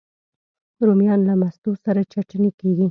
رومیان له مستو سره چټني کېږي